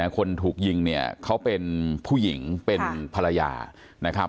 คนถูกยิงเขาเป็นผู้หญิงเป็นภรรยา